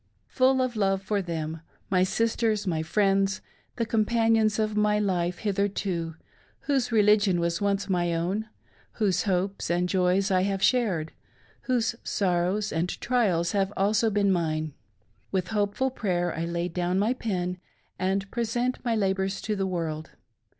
Full of love for them — my sisters, my friends, the compan ions of my life hitherto, whose religion was once my own, whose hopes and joys I have shared, whose sorrows and trials have been also mine' — with hopeful prayer I lay down my pen and present my labors to the world.